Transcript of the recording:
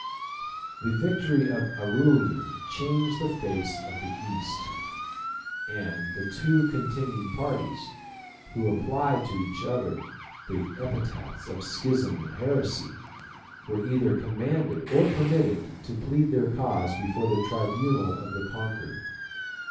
1291 The victory of Aurelian changed the face of the East, and the two contending parties, who applied to each other the epithets of schism and heresy, were either commanded or permitted to plead their cause before the tribunal of the conqueror.